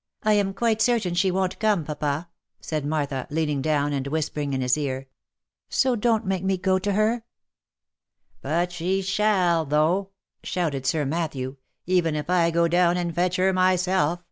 " I am quite certain she won't come, papa," said Martha, leaning down, and whispering in his ear. " So don't make me go to her." " But she shall, though !" shouted Sir Matthew, " even if I go down, and fetch her myself.